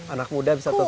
anak muda bisa tertarik